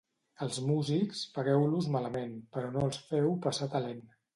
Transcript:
Als músics, pagueu-los malament, però no els feu passar talent.